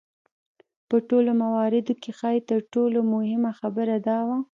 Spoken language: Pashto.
په ټولو مواردو کې ښايي تر ټولو مهمه خبره دا وه.